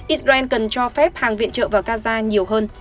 israel cần cho phép hàng viện trợ vào gaza nhiều hơn